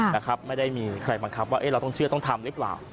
นะครับไม่ได้มีใครบังคับว่าเราต้องเชื่อต้องทำหรือเปล่า